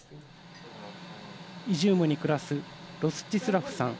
イジュームに暮らすロスチスラフさん